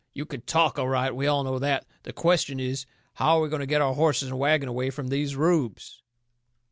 You can TALK all right. We all know that. The question is how are we going to get our horses and wagon away from these Rubes?"